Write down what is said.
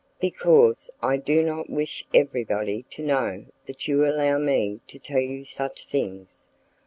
"Because I do not wish everybody to know that you allow me to tell you such things.